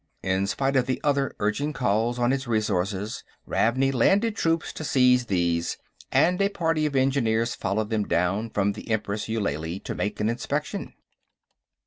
In spite of other urgent calls on his resources, Ravney landed troops to seize these, and a party of engineers followed them down from the Empress Eulalie to make an inspection.